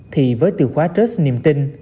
thì với tiêu khóa trust niềm tin